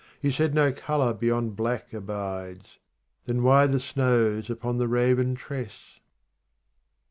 You said no colour beyond black abides ; Then why the snows upon the raven tress